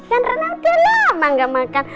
karena rena udah lama nggak makan